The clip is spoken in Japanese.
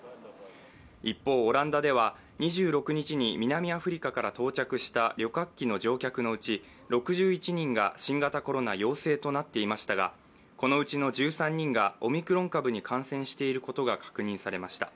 一方、オランダでは２６日に南アフリカから到着した旅客機の乗客のうち６１人が新型コロナ陽性となっていましたが、このうち１３人がオミクロン株に感染していることが確認されました。